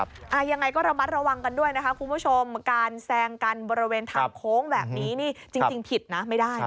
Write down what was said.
ยังไงก็ระมัดระวังกันด้วยนะคะคุณผู้ชมการแซงกันบริเวณทางโค้งแบบนี้นี่จริงผิดนะไม่ได้นะ